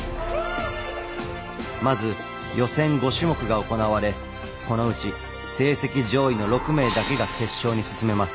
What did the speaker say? まず予選５種目が行われこのうち成績上位の６名だけが決勝に進めます。